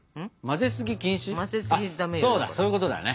そうだそういうことだよね。